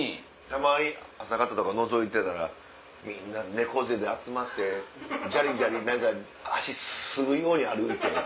たまに朝方とかのぞいてたらみんな猫背で集まってジャリジャリ何か足するように歩いて。